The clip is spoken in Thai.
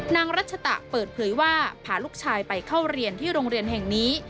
นางรัชตะเปิดเผยว่าพาลูกชายไปเข้าเรียนที่โรงเรียนแห่งนี้